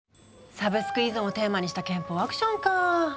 サブスク依存をテーマにした拳法アクションかぁ。